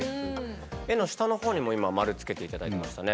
絵の下のほうにも今丸つけて頂いてましたね。